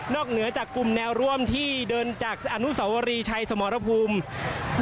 เหนือจากกลุ่มแนวร่วมที่เดินจากอนุสาวรีชัยสมรภูมิ